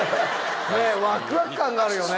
ワクワク感があるよね。